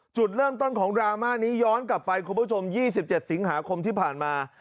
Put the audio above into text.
จุดเริ่มต้นของดราม่านี้ย้อนกลับไปคุณผู้ชม๒๗สิงหาคมที่ผ่านมา